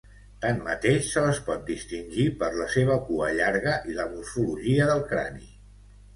Tanmateix, se les pot distingir per la seva cua llarga i la morfologia del crani.